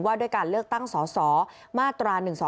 ว่าด้วยการเลือกตั้งสมาตร๑๒๘